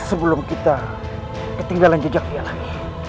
sebelum kita ketinggalan jejak dia lagi